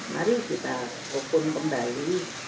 mari kita rukun kembali